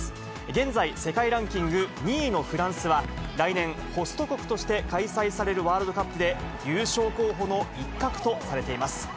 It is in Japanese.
現在、世界ランキング２位のフランスは、来年、ホスト国として開催されるワールドカップで、優勝候補の一角とされています。